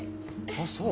あっそう？